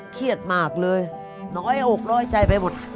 เครียดมากเลยน้อยอกน้อยใจไปหมด